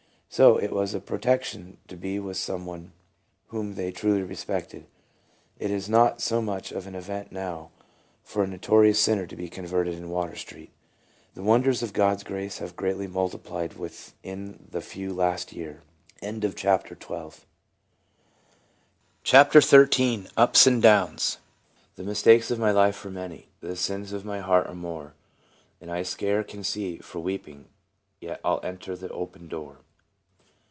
So it was a protection to be with some one whom they truly respected. It is not so much of an event now for a noto rious sinner to be converted in Water street. The wonders of God's grace have been greatly multiplied within the few last year. UPS AND D O WNS. 5 5 CHAPTER XIII. UPS AND DOWNS. " The mistakes of my life are many, The sins of my heart are more ; And I scarce can see for weeping, Yet I '11 enter the open door."